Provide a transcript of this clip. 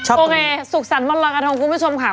โอเคสุขสรรควันรอยกระทงคุณผู้ชมค่ะ